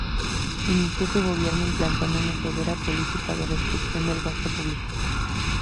Inició su gobierno implantando una severa política de restricción del gasto público.